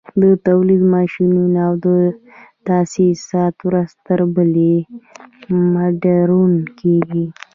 د تولید ماشینونه او تاسیسات ورځ تر بلې مډرن کېږي